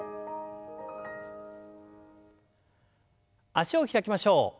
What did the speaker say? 脚を開きましょう。